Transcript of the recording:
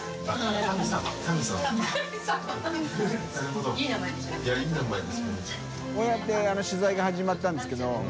海Δ笋辰取材が始まったんですけど